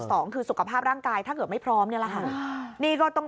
สองคือสุขภาพร่างกายถ้าเกิดไม่พร้อมนี่แหละค่ะนี่ก็ต้อง